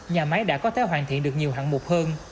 nhà máy đã có thể hoàn thiện được nhiều hạng mục hơn